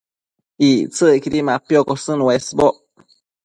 Ictsëcquidi mapiocosën uesboc